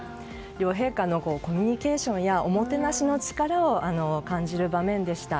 両陛下のコミュニケーションやおもてなしの力を感じる場面でした。